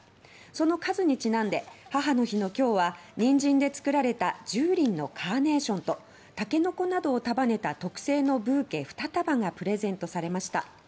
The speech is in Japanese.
その数にちなんで母の日の今日はニンジンで作られた１０輪のカーネーションとタケノコなどを束ねた特製のブーケ２束がプレゼントされました。